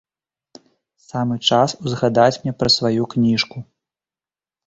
Самы час узгадаць мне пра сваю кніжку.